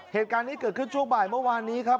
เหตุการณ์นี้เกิดขึ้นช่วงบ่ายเมื่อวานนี้ครับ